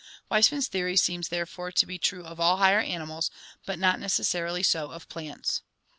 Weismann's theory seems therefore to be true of all higher ani mals, but not necessarily so of plants.